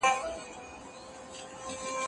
په روغتونونو کي باید د ویني بانکونه خالي نه وي.